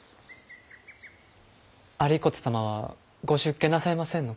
有功様はご出家なさいませんのか。